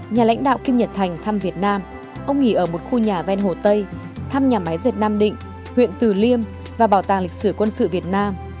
nhà lãnh đạo kim nhật thành thăm việt nam ông nghỉ ở một khu nhà ven hồ tây thăm nhà máy dệt nam định huyện từ liêm và bảo tàng lịch sử quân sự việt nam